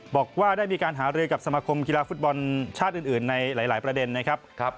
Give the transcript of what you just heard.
บอกว่าได้มีการหารือกับสมาคมกีฬาฟุตบอลชาติอื่นในหลายประเด็นนะครับ